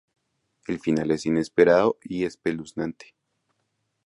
El final es inesperado y espeluznante.